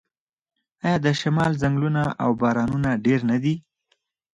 آیا د شمال ځنګلونه او بارانونه ډیر نه دي؟